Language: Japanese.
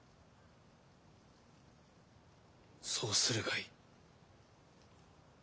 そうするがいい。